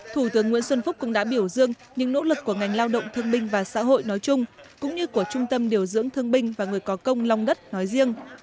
thủ tướng nguyễn xuân phúc cũng đã biểu dương những nỗ lực của ngành lao động thương binh và xã hội nói chung cũng như của trung tâm điều dưỡng thương binh và người có công long đất nói riêng